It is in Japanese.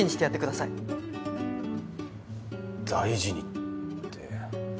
大事にって。